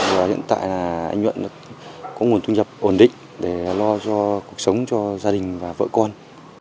và hiện tại là anh nhuận có nguồn thu nhập ổn định để lo cho cuộc sống cho gia đình và vợ con